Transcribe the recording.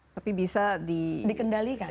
tapi bisa dikendalikan